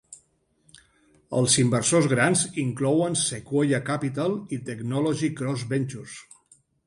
Els inversors grans inclouen Sequoia Capital i Technology Cross Ventures.